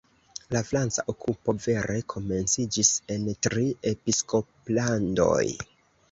La franca okupo vere komenciĝis en Tri-Episkoplandoj.